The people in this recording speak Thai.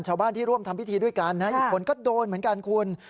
ชาวบ้านที่ร่วมทำพิธีด้วยกันอีกคนก็โดนเหมือนกันคุณ